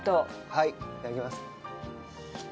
はいいただきます。